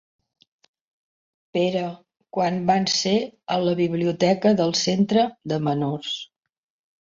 Pere, quan van ser a la biblioteca del centre de menors—.